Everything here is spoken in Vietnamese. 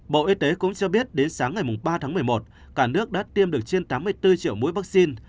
bộ y tế cũng cho biết đến sáng ngày ba tháng một mươi một cả nước đã tiêm được trên tám mươi bốn triệu mũi vaccine